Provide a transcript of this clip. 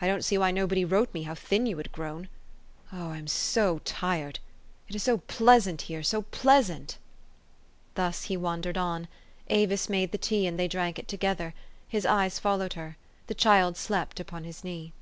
I don't see why nobody wrote me how thin you had grown. Oh, I am so tired ! It is so pleasant here, so pleasant !" Thus he wandered on. Avis made the tea, and they drank it together : his eyes followed her. The child slept upon his knee.